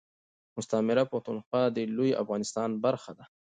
مستعمره پښتونخوا دي لوي افغانستان برخه ده